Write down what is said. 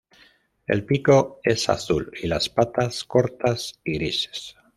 El pico es azul y las patas, cortas y grises.